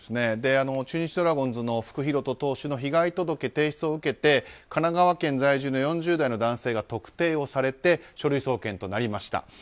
中日ドラゴンズの福敬登投手の被害届提出を受けて神奈川県在住の４０代の男性が特定されて書類送検となりました。